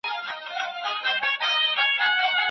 او کلمات یې په غوږونو کي شرنګی کوي